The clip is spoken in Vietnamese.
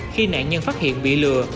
khi nạn nhân phát hiện bị lừa